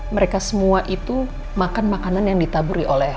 mereka semua itu makan makanan yang ditaburi oleh